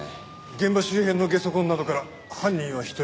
現場周辺のゲソ痕などから犯人は１人。